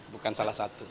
bukan salah satu